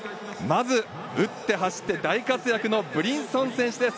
まず打って走って大活躍のブリンソン選手です。